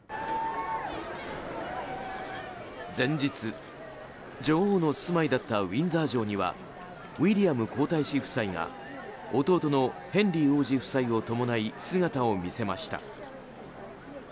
前日、女王の住まいだったウィンザー城にはウィリアム皇太子夫妻が弟のヘンリー王子夫妻を伴い姿を見せました。